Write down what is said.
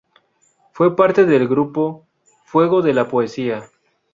Fue parte del grupo ‘Fuego de la Poesía’.